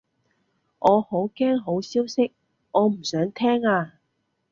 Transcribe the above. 我好驚好消息，我唔想聽啊